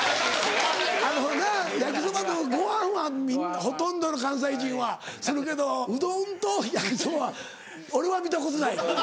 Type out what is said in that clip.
あのな焼きそばとご飯はほとんどの関西人はするけどうどんと焼きそばは俺は見たことない。